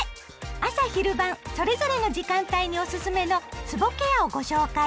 朝・昼・晩それぞれの時間帯におすすめのつぼケアをご紹介。